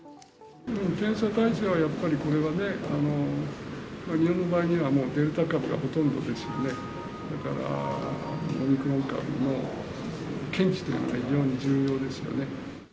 検査態勢はやっぱりこれはね、日本の場合にはもうデルタ株がほとんどですしね、だから、オミクロン株の検知というのは、非常に重要ですよね。